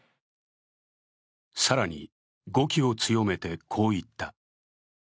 更に、語気を強めてこう言った。